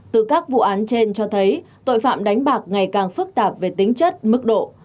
từ các vụ án trên cho thấy tội phạm đánh bạc ngày càng phức tạp về tính chất mức độ